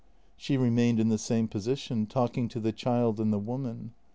She remained in the same position, talking to the child and the woman.